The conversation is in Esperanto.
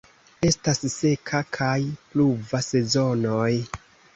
Estas seka kaj pluva sezonoj.